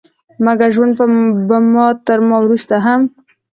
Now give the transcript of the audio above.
مګر ژوند به تر ما وروسته هم